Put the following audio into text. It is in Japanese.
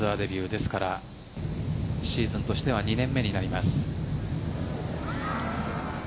ですから、シーズンとしては２年目になります。